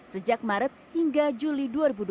sejak maret hingga juli dua ribu dua puluh